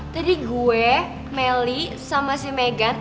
tadi gue melly sama si meghan